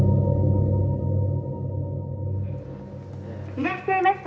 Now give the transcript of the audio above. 「いらっしゃいませ」。